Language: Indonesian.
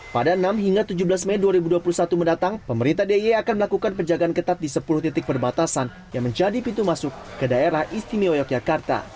pada enam hingga tujuh belas mei dua ribu dua puluh satu mendatang pemerintah d i e akan melakukan penjagaan ketat di sepuluh titik perbatasan yang menjadi pintu masuk ke daerah istimewa yogyakarta